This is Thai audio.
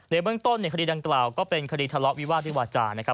ในเบื้องต้นคดีดังกล่าวก็เป็นคดีทะเลาะวิวาสด้วยวาจานะครับ